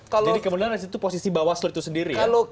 jadi kebenaran dari situ posisi bawaselu itu sendiri ya